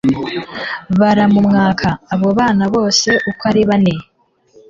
baramumwaka. Abo bana bose uko ari bane